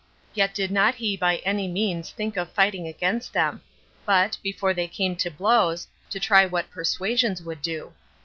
Yet did not he by any means think of fighting against them, but, before they came to blows, to try what persuasions would do.